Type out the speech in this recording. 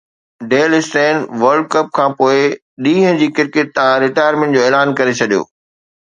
deal Steyn World Cup کانپوءِ ڏينهن جي ڪرڪيٽ تان رٽائرمينٽ جو اعلان ڪري ڇڏيو